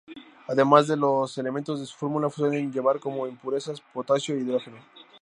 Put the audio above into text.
Además de los elementos de su fórmula, suele llevar como impurezas: potasio e hidrógeno.